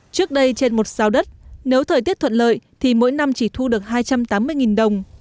trước đây trên một sao đất nếu thời tiết thuận lợi thì mỗi năm chỉ thu được hai trăm tám mươi đồng